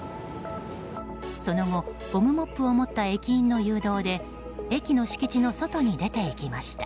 その後、ゴムモップを持った駅員の誘導で駅の敷地の外に出て行きました。